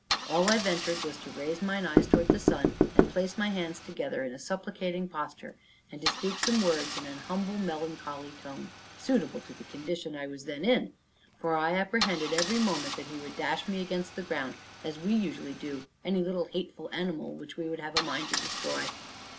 All I ventured was to raise mine eyes toward the sun, and place my hands together in a supplicating posture, and to speak some words in an humble melancholy tone, suitable to the condition I then was in: for I apprehended every moment that he would dash me against the ground, as we usually do any little hateful animal which we have a mind to destroy.